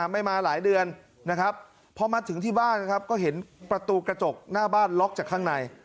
ไม่มาหลายเดือนนะครับพอมาถึงที่บ้านนะครับก็เห็นประตูกระจกหน้าบ้านล็อกจากข้างใน